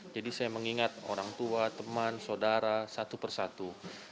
jadi saya mengingat orang tua teman saudara satu per satu